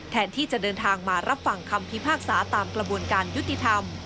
แทนที่จะเดินทางมารับฟังคำพิพากษาตามกระบวนการยุติธรรม